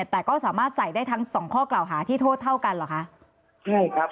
แต่ก็สามารถใส่ได้ทั้ง๒ข้อเกล่าหาที่โทษเท่ากันเหรอคะ